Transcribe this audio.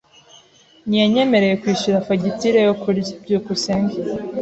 Ntiyanyemereye kwishyura fagitire yo kurya. byukusenge